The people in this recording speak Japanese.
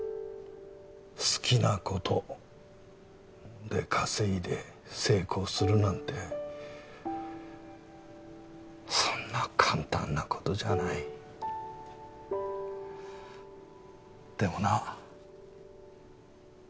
好きなことで稼いで成功するなんてそんな簡単なことじゃないでもな